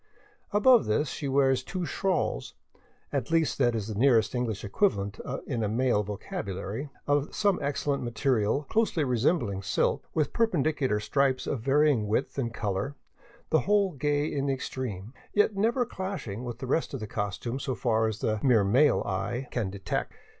Above this she wears two shawls — at least that is the nearest English equivalent in a male vocabulary — of some excellent material closely resembling silk, with perpendicular stripes of varying width and color, the whole gay in the extreme, yet never clashing with the rest of the costume so far as the mere male eye can detect.